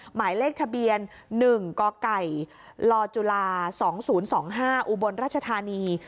หมายเลขทะเบียน๑กไก่ลจุฬา๒๐๒๕อุบลราชธานี